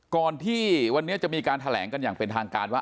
ก่อนที่วันนี้จะมีการแถลงกันอย่างเป็นทางการว่า